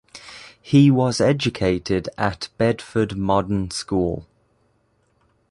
He was educated at Bedford Modern School.